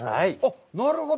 なるほど。